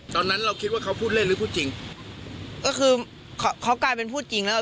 ตอนนั้นเราคิดว่าเขาพูดเล่นหรือพูดจริงก็คือเขากลายเป็นพูดจริงแล้ว